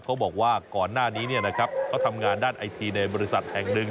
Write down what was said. เขาบอกว่าก่อนหน้านี้เขาทำงานด้านไอทีในบริษัทแห่งหนึ่ง